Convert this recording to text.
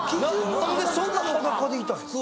何でそんな裸でいたいんですか？